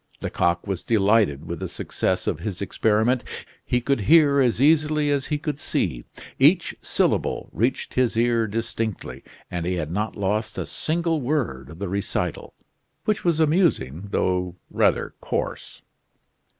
Lecoq was delighted with the success of his experiment. He could hear as easily as he could see. Each syllable reached his ear distinctly, and he had not lost a single word of the recital, which was amusing, though rather coarse.